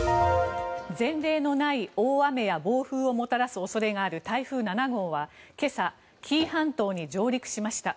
前例のない大雨や暴風をもたらす恐れがある台風７号は今朝、紀伊半島に上陸しました。